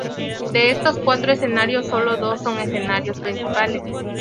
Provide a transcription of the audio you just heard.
De estos cuatro escenarios, sólo dos son escenarios principales.